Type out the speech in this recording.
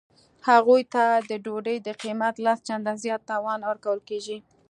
هغوی ته د ډوډۍ د قیمت لس چنده زیات تاوان ورکول کیږي